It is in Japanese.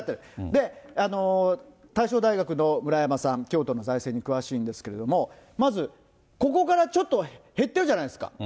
で、大正大学の村山さん、京都の財政に詳しいんですけれども、まず、ここからちょっと減ってるじゃないですか。